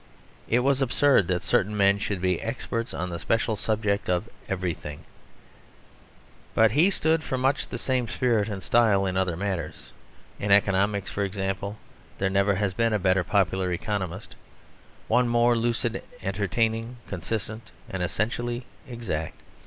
It was absurd that certain men should be experts on the special subject of everything. But he stood for much the same spirit and style in other matters; in economics, for example. There never has been a better popular economist; one more lucid, entertaining, consistent, and essentially exact.